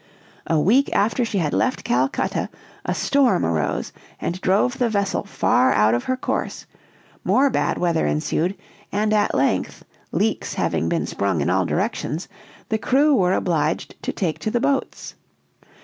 A week after she had left Calcutta, a storm arose and drove the vessel far out of her course; more bad weather ensued; and at length, leaks having been sprung in all directions, the crew were obliged to take to the boats.